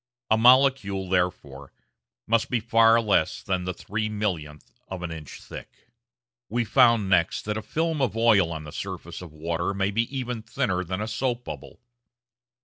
A molecule, therefore, must be far less than the three millionth of an inch thick. We found next that a film of oil on the surface of water may be even thinner than a soap bubble.